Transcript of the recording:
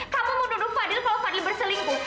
kamu menurut fadil kalau fadil berselingkuh